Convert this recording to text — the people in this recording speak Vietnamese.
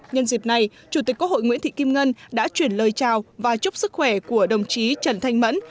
nhân dịp này chủ tịch quốc hội nguyễn thị kim ngân đã chuyển lời chào và chúc sức khỏe của đồng chí trần thanh mẫn